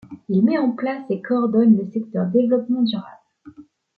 Il met en place et coordonne le secteur Développement durable.